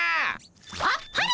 あっぱれ！